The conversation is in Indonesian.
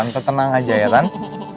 jadi tante tenang aja ya tante